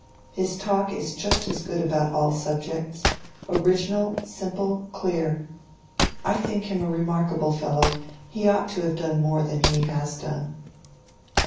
His talk is just as good about all subjects: original, simple, clear. I think him a remarkable fellow: he ought to have done more than he has done."